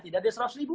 tidak ada seratus ribu